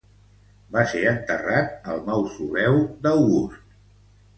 Va ser enterrat al Mausoleu d'August.